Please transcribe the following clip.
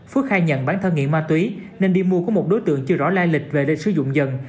phước khai nhận bán thơ nghiện ma túy nên đi mua của một đối tượng chưa rõ lai lịch về lệnh sử dụng dần